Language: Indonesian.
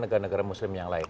negara negara muslim yang lain